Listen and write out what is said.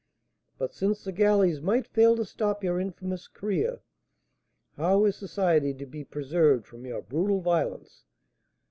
But since the galleys might fail to stop your infamous career, how is society to be preserved from your brutal violence?